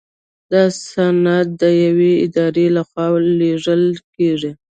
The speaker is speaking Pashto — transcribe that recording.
دا سند د یوې ادارې لخوا لیږل کیږي.